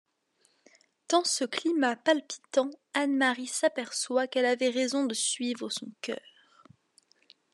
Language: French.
Dans ce climat palpitant, Anne-Marie s'aperçoit qu'elle avait raison de suivre son cœur.